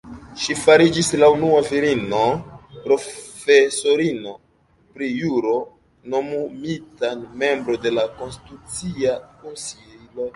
Ŝi fariĝis la unua virino profesorino pri juro nomumita membro de la Konstitucia Konsilio.